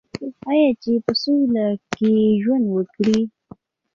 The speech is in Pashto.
آیا چې په سوله کې ژوند وکړي؟